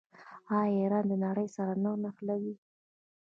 آیا ایران د نړۍ سره نه نښلوي؟